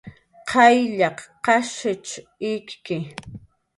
Qayllaq qashich ikki